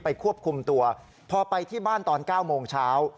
ควบคุมตัวพอไปที่บ้านตอน๙โมงเช้า